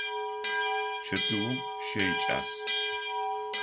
Чэтыум щэ икӏас.